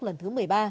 lần thứ một mươi ba